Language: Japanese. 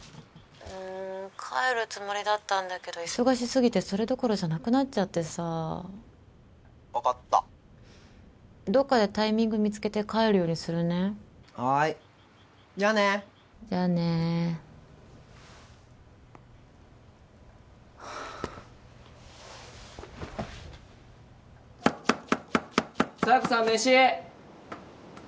☎うん☎帰るつもりだったんだけど忙しすぎてそれどころじゃなくなっちゃってさ☎分かったどっかでタイミング見つけて帰るようにするねはーいじゃあねじゃあねはあ佐弥子さんメシ！